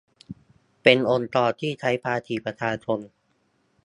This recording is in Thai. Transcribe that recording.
เป็นองค์กรที่ใช้ภาษีประชาชน